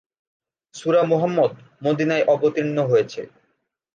সূরা মুহাম্মদ মদীনায় অবতীর্ণ হয়েছে।